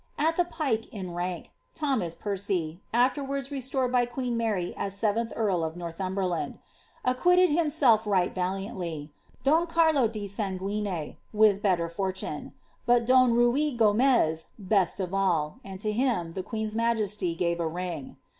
'^At the pike in rank, Thomas Percy (afterwards restored by queen Mary M seventh earl of Northumberland) acquitted himself right valiantly; don Carlo di Sanguine, with better fortune ; but don Ruy Gomez best of all ; and to him the queen's majesty gave a ring.